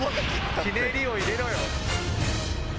ひねりを入れろよ。